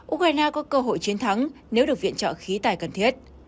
ukraine có cơ hội chiến thắng nếu được viện trợ khí tài cần thiết